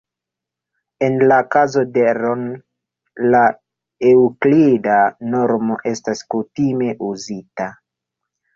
En la kazo de Rn, la Eŭklida normo estas kutime uzita.